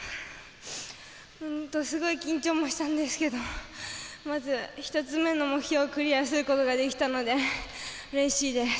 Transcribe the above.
すごい緊張もしたんですけどまず１つ目の目標をクリアすることができたのでうれしいです。